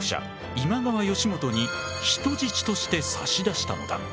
今川義元に人質として差し出したのだ！